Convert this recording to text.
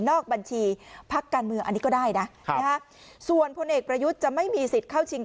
บัญชีพักการเมืองอันนี้ก็ได้นะส่วนพลเอกประยุทธ์จะไม่มีสิทธิ์เข้าชิง